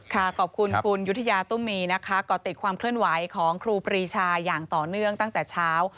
ขอบคุณคุณยุธยาตุ้มมีนะคะก่อติดความเคลื่อนไหวของครูปรีชาอย่างต่อเนื่องตั้งแต่เช้า